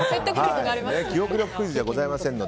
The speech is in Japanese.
記憶力クイズではございません。